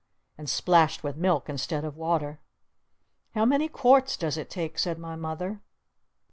And splashed with milk instead of water! "How many quarts does it take?" said my Mother.